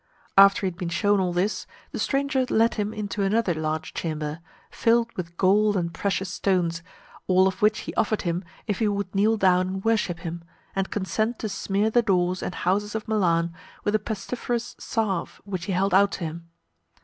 After he had been shewn all this, the stranger led him into another large chamber, filled with gold and precious stones, all of which he offered him if he would kneel down and worship him, and consent to smear the doors and houses of Milan with a pestiferous salve which he held out to him.